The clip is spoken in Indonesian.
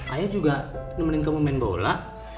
ayah juga nemenin kamu main bola